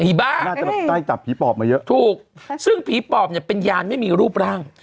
น่าจะแบบใกล้จับผีปอบมาเยอะถูกซึ่งผีปอบเนี่ยเป็นยานไม่มีรูปร่าง